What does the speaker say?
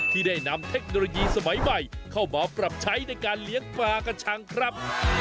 ที่ได้นำเทคโนโลยีสมัยใหม่เข้ามาปรับใช้ในการเลี้ยงปลากระชังครับ